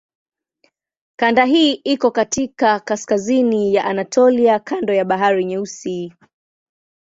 Kanda hii iko katika kaskazini ya Anatolia kando la Bahari Nyeusi.